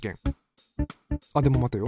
あっでも待てよ。